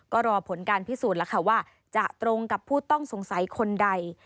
ก็รอผลการพิสูจน์แล้วค่ะว่าจะตรงกับผู้ต้องสงสัยคนใด